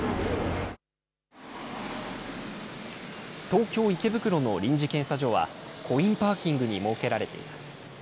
東京・池袋の臨時検査所は、コインパーキングに設けられています。